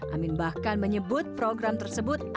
amin bahkan menyebut program tersebut